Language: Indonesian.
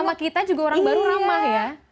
sama kita juga orang baru ramah ya